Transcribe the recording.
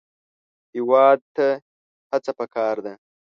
هېواد ته هڅه پکار ده